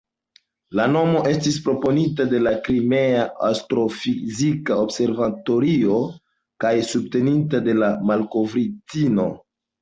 La nomo estis proponita de la Krimea Astrofizika Observatorio kaj subtenita de la malkovrintino.